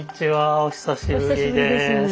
お久しぶりです。